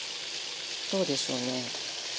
どうでしょうね。